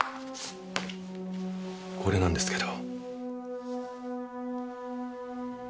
これなんですけど。